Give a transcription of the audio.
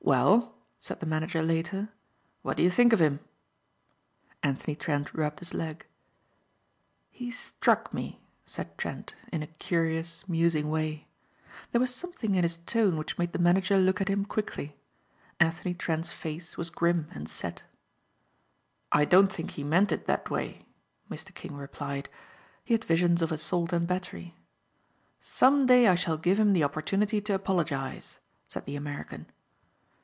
"Well," said the manager later, "what do you think of him?" Anthony Trent rubbed his leg. "He struck me," said Trent in a curious, musing way. There was something in his tone which made the manager look at him quickly. Anthony Trent's face was grim and set. "I don't think he meant it that way," Mr. King replied. He had visions of assault and battery. "Some day I shall give him the opportunity to apologize," said the American.